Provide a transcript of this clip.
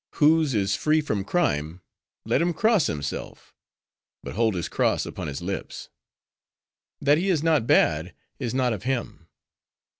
Whose is free from crime, let him cross himself—but hold his cross upon his lips. That he is not bad, is not of him.